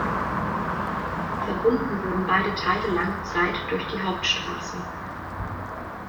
Verbunden wurden beide Teile lange Zeit durch die Hauptstraße.